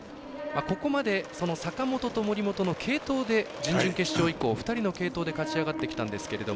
ここまで、坂本と森本の継投で準々決勝以降２人の継投で勝ちあがってきたんですけど。